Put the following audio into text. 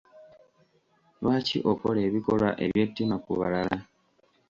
Lwaki okola ebikolwa eby'ettima ku balala?